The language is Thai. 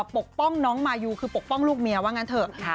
ปกป้องน้องมายูคือปกป้องลูกเมียว่างั้นเถอะ